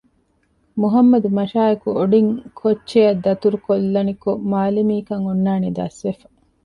މުޙައްމަދު މަށާއެކު އޮޑިން ކޮއްޗެއަށް ދަތުރެއްކޮށްލަނިކޮށް މާލިމީކަން އޮންނާނީ ދަސްވެފަ